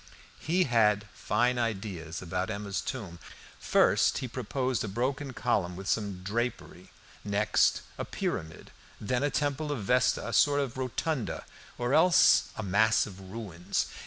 He had fine ideas about Emma's tomb. First he proposed a broken column with some drapery, next a pyramid, then a Temple of Vesta, a sort of rotunda, or else a "mass of ruins."